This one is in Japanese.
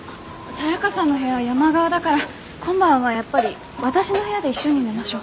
サヤカさんの部屋山側だから今晩はやっぱり私の部屋で一緒に寝ましょう。